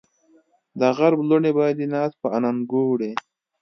دغرب لوڼې به دې ناز په اننګو وړي